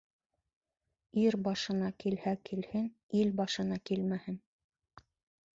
Ир башына килһә килһен, ил башына килмәһен.